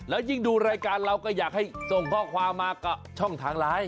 แล้วยิ่งดูรายการเราก็อยากให้ส่งข้อความมาก็ช่องทางไลน์